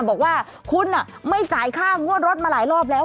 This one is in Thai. บอกว่าคุณไม่จ่ายค่างวดรถมาหลายรอบแล้ว